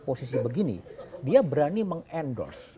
posisi begini dia berani meng endorse